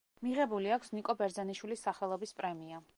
მიღებული აქვს ნიკო ბერძენიშვილის სახელობის პრემია.